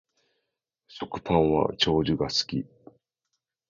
食パンは長熟が好き